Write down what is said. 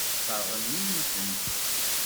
Tesseṛɣem-iyi-tent.